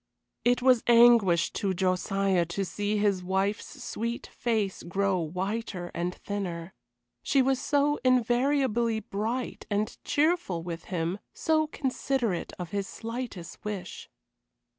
It was anguish to Josiah to see his wife's sweet face grow whiter and thinner; she was so invariably bright and cheerful with him, so considerate of his slightest wish.